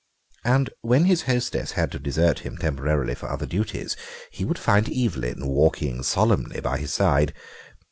And when his hostess had to desert him temporarily for other duties he would find Evelyn walking solemnly by his side.